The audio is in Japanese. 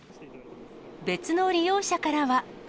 別の利用者からは。